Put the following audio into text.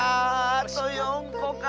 あと４こか。